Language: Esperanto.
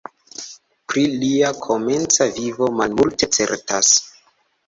Pri lia komenca vivo malmulte certas.